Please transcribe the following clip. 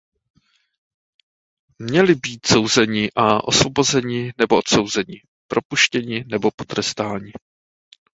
Měli být souzeni a osvobozeni nebo odsouzeni, propuštěni nebo potrestáni.